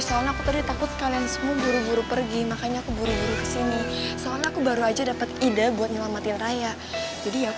oke kalo gitu berarti semuanya udah setuju ya